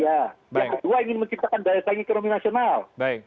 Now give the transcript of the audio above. yang kedua ingin menciptakan daya saing ekonomi nasional